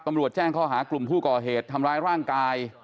แจ้งข้อหากลุ่มผู้ก่อเหตุทำร้ายร่างกาย